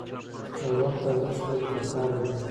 د وخت ارزښت ولې پکار دی؟